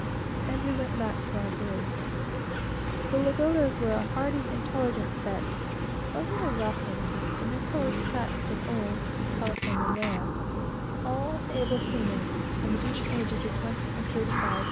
and we went back with our captain. They were a hardy, but intelligent crew; a little roughened, and their clothes patched and old, from California wear; all able seamen, and between the ages of twenty and thirty five.